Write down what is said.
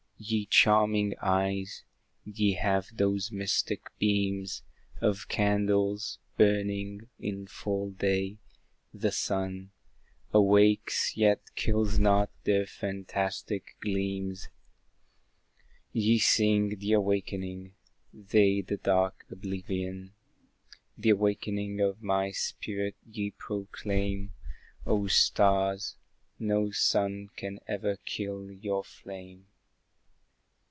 Ye charming Eyes ye have those mystic beams, Of candles, burning in full day; the sun Awakes, yet kills not their fantastic gleams: Ye sing the Awak'ning, they the dark oblivion; The Awak'ning of my spirit ye proclaim, O stars no sun can ever kill your flame!